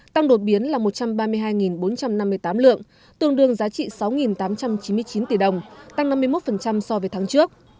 tăng đột biến là một trăm ba mươi hai bốn trăm năm mươi tám lượng tương đương giá trị sáu tám trăm chín mươi chín tỷ đồng tăng năm mươi một so với tháng trước